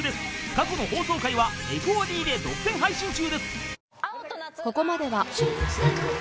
［過去の放送回はＦＯＤで独占配信中です］